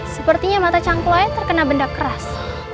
sepertinya mata cangkul ayah terkena benda keras